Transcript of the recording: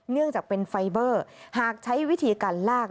เนื่องจากเป็นไฟเบอร์หากใช้วิธีการลาก